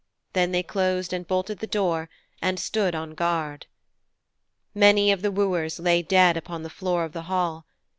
Then they closed and bolted the door, and stood on guard. Many of the wooers lay dead upon the floor of the hall.